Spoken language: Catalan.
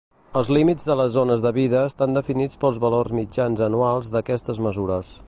Els límits de les zones de vida estan definits pels valors mitjans anuals d’aquestes mesures.